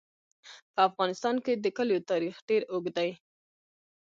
په افغانستان کې د کلیو تاریخ ډېر اوږد دی.